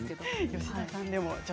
吉田さんでも。